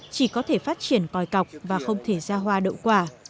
chỉ có thể phát triển còi cọc và không thể ra hoa đậu quả